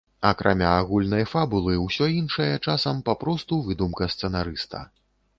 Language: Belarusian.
Акрамя агульнай фабулы, усё іншае часам папросту выдумка сцэнарыста.